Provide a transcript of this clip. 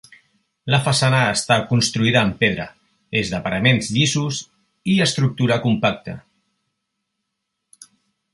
La façana està construïda amb pedra, és de paraments llisos i estructura compacte.